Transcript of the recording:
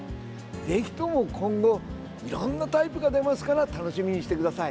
ぜひとも今後いろんなタイプが出ますから楽しみにしてください。